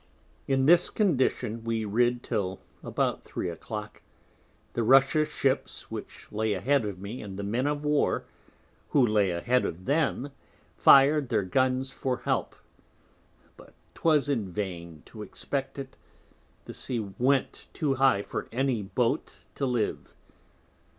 In this Condition we rid till about Three a Clock, the Russia Ships which lay a head of me, and the Men of War, who lay a head of them, fir'd their Guns for Help, but 'twas in vain to expect it; the Sea went too high for any Boat to live.